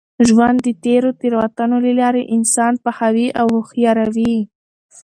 ژوند د تېرو تېروتنو له لاري انسان پخوي او هوښیاروي.